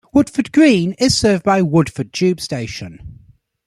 Woodford Green is served by Woodford tube station.